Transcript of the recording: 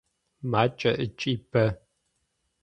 Макӏэ ыкӏи бэ.